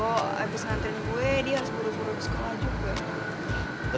abis ngantrin gue dia harus buru buru ke sekolah juga